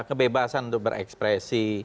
kebebasan untuk berekspresi